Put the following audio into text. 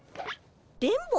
電ボ？